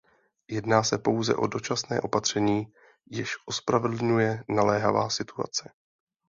Jedná se pouze o dočasné opatření, jež ospravedlňuje naléhavá situace.